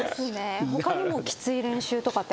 他にもきつい練習とかってありました？